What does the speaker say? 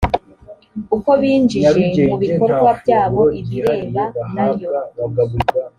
uko binjije mu bikorwa byabo ibireba n ayo